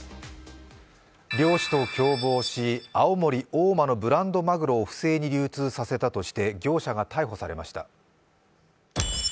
漁師と共謀し、青森・大間のブランドマグロを不正に流通させたとして業者が逮捕されました。